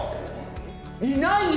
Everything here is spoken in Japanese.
いないよ！